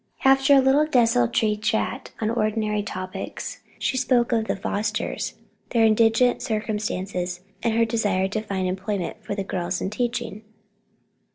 After a little desultory chat on ordinary topics, she spoke of the Fosters, their indigent circumstances, and her desire to find employment for the girls in teaching.